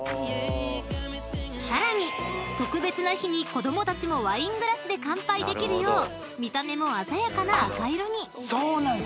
［さらに特別な日に子供たちもワイングラスで乾杯できるよう見た目も鮮やかな赤色に］